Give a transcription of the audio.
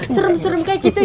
serem serem kayak gitu ya